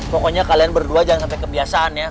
pokoknya kalian berdua jangan sampai kebiasaan ya